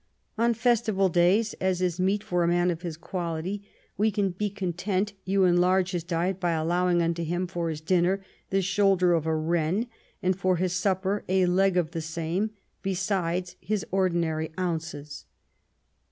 On festival days, as is meet for a man of his quality^ we can be content you enlarge his diet by allowing unto him for his dinner the shoulder of a Wrert, and for his supper a leg of the same besides his ordinary ounces.'